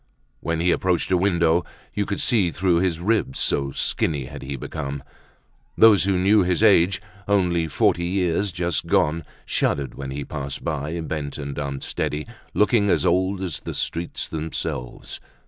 When he approached a window you could see through his ribs, so skinny had he become. Those who knew his age, only forty years just gone, shuddered when he passed by, bent and unsteady, looking as old as the streets themselves.